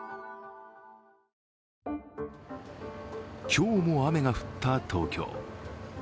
今日も雨が降った東京。